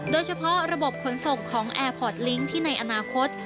โดยเฉพาะระบบขนส่งของแอร์พอร์ตลิงค์ที่ในอนาคต